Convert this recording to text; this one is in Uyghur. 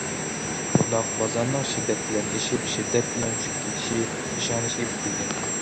بۇنداق بازارنىڭ شىددەت بىلەن ئېشىپ شىددەت بىلەن چۈشۈپ كېتىشى پېشانىسىگە پۈتۈلگەن.